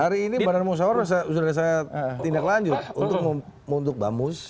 hari ini badan musyawar sudah saya tindak lanjut untuk bamus